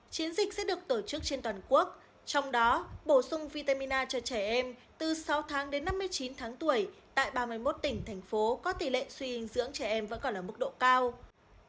chiến dịch sẽ được tổ chức trên toàn quốc trong đó bổ sung vitamin a cho trẻ em từ sáu tháng đến năm mươi chín tháng tuổi tại ba mươi một tỉnh thành phố có tỷ lệ suy dinh dưỡng trẻ em vẫn còn ở mức độ cao